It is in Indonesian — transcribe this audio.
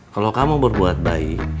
kalau kamu berbuat baik